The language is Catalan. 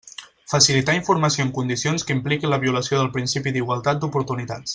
Facilitar informació en condicions que impliquin la violació del principi d'igualtat d'oportunitats.